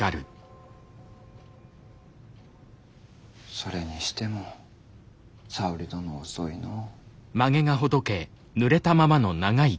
それにしても沙織殿遅いのぉ。